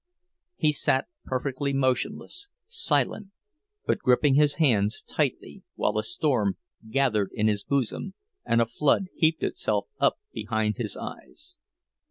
He sat perfectly motionless, silent, but gripping his hands tightly, while a storm gathered in his bosom and a flood heaped itself up behind his eyes.